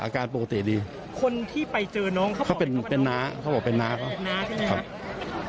อาการปกติดีคนที่ไปเจอน้องเขาเป็นเป็นน้าเขาบอกเป็นน้าเขาน้าใช่ไหมครับ